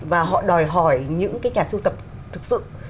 và họ đòi hỏi những cái nhà sưu tập thực sự